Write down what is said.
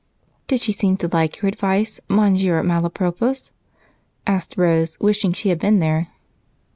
"Did she seem to like your advice, Monsieur Malapropos?" asked Rose, wishing she had been there.